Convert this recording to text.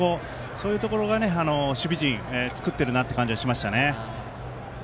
そういうところが守備陣を作っている感じがしました。